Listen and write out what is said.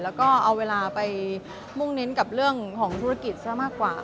แล้วก็เอาเวลาไปมุ่งเน้นกับเรื่องของธุรกิจซะมากกว่า